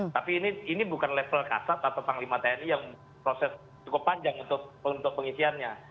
tapi ini bukan level kasat atau panglima tni yang proses cukup panjang untuk pengisiannya